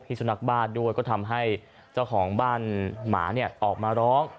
สุนัขบ้านด้วยก็ทำให้เจ้าของบ้านหมาเนี่ยออกมาร้อง